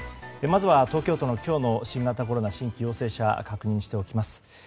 まずは東京都の今日の新型コロナ新規陽性者確認しておきます。